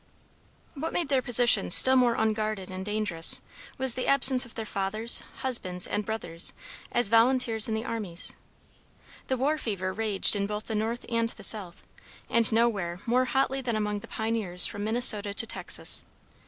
What made their position still more unguarded and dangerous was the absence of their fathers, husbands, and brothers, as volunteers in the armies. The war fever raged in both the North and the South, and nowhere more hotly than among the pioneers from Minnesota to Texas.